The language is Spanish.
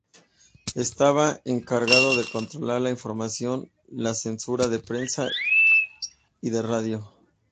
Estaba encargado de controlar la información, la censura de prensa y de radio.